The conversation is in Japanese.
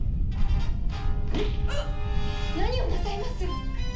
何をなさいます！